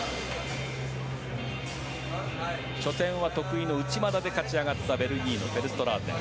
初戦は得意の内股で勝ち上がったベルギーのフェルストラーテン。